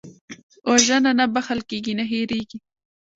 وژنه نه بښل کېږي، نه هېرېږي